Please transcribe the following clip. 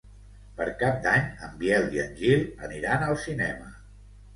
Per Cap d'Any en Biel i en Gil aniran al cinema.